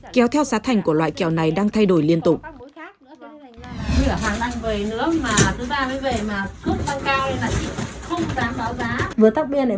kéo theo giá thành của trung quốc là một năm triệu đồng cho một năm triệu đồng của trung quốc